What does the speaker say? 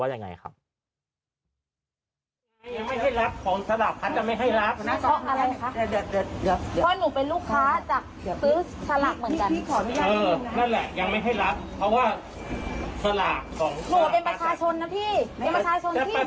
สลากไปด้วยขึ้นเงิน